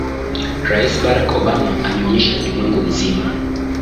rais barak obama ameonyesha ulimwengu mzima